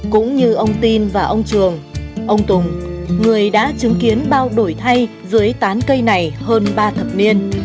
cũng như ông tin và ông trường ông tùng người đã chứng kiến bao đổi thay dưới tán cây này hơn ba thập niên